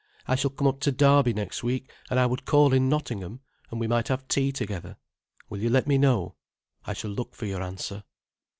I shall come up to Derby next week, and I would call in Nottingham, and we might have tea together. Will you let me know? I shall look for your answer.